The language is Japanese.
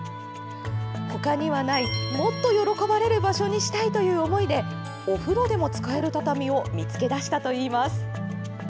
他にはないもっと喜ばれる場所にしたいという思いでお風呂でも使える畳を見つけ出したといいます。